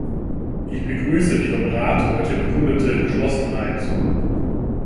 Ich begrüße die vom Rat heute bekundete Geschlossenheit.